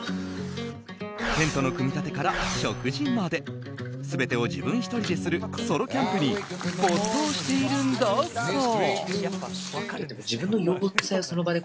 テントの組み立てから食事まで全てを自分１人でするソロキャンプに没頭しているんだそう。